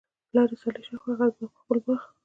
پلار ئي صالح شخص وو، هغه به د خپل باغ